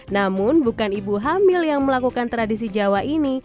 namun bukan ibu hamil yang melakukan tradisi jawa ini